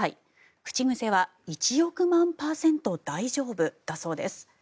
口癖は１億万％大丈夫だそうです。